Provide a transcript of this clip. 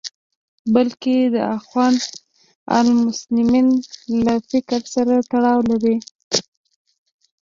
بلکې د اخوان المسلمین له فکر سره تړاو لري.